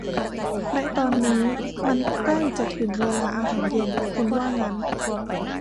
และตอนนี้มันใกล้จะถึงเวลาอาหารเย็น คุณว่างั้น ?